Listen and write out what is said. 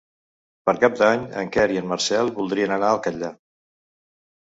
Per Cap d'Any en Quer i en Marcel voldrien anar al Catllar.